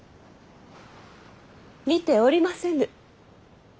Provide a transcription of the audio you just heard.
見ておりませぬ。